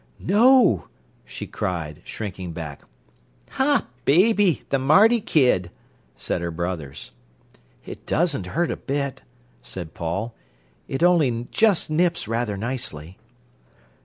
"No," she cried, shrinking back. "Ha! baby. The mardy kid!" said her brothers. "It doesn't hurt a bit," said Paul. "It only just nips rather nicely."